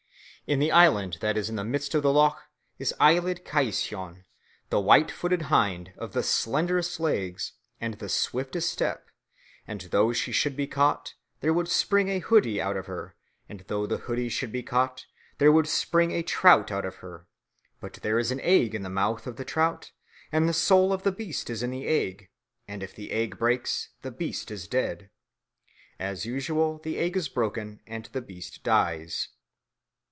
"In the island that is in the midst of the loch is Eillid Chaisfhion the white footed hind, of the slenderest legs, and the swiftest step, and though she should be caught, there would spring a hoodie out of her, and though the hoodie should be caught, there would spring a trout out of her, but there is an egg in the mouth of the trout, and the soul of the beast is in the egg, and if the egg breaks, the beast is dead." As usual the egg is broken and the beast dies.